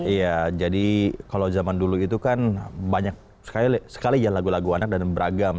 iya jadi kalau zaman dulu itu kan banyak sekali ya lagu lagu anak dan beragam